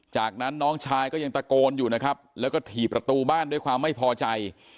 จากนั้นน้องชายก็ยังตะโกนอยู่นะครับแล้วก็ถี่ประตูบ้านด้วยความไม่พอใจ